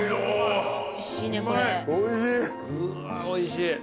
おいしい。